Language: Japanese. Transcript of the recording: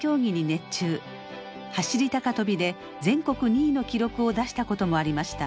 走り高跳びで全国２位の記録を出したこともありました。